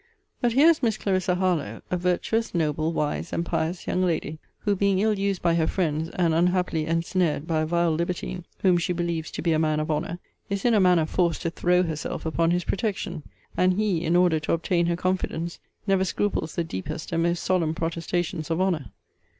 But here is Miss CLARISSA HARLOWE, a virtuous, noble, wise, and pious young lady; who being ill used by her friends, and unhappily ensnared by a vile libertine, whom she believes to be a man of honour, is in a manner forced to throw herself upon his protection. And he, in order to obtain her confidence, never scruples the deepest and most solemn protestations of honour.